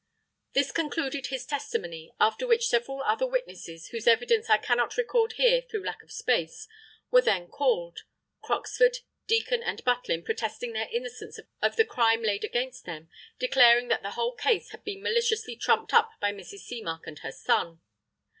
This concluded his testimony after which several other witnesses (whose evidence I cannot record here through lack of space) were then called; Croxford, Deacon and Butlin protesting their innocence of the crime laid against them, declaring that the whole case had been maliciously trumped up by Mrs. Seamark and her son.